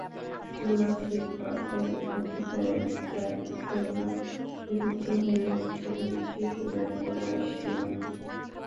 Jurassic পার্কের অতিকায় ডাইনোসররা বিলুপ্ত হয়ে গেছে বলেই শিশুদের বলে আসছি আমরা।